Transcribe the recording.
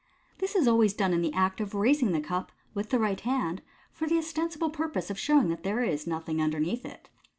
— This is always done in the act of raising the cup (with the right lv.nd), for the ostensible purpose of showing that there is nothing underneath it.